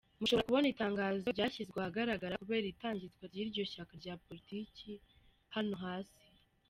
Mushobora kubona itangazo ryashyizwe ahagaragara kubera itangizwa ry’iryo shyaka rya politiki hano hasi: